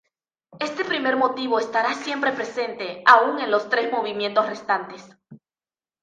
Este primer motivo estará siempre presente, aún en los tres movimientos restantes.